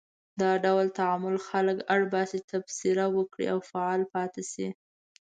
دا ډول تعامل خلک اړ باسي چې تبصره وکړي او فعال پاتې شي.